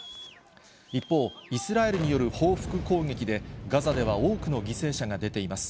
一方、イスラエルによる報復攻撃で、ガザでは多くの犠牲者が出ています。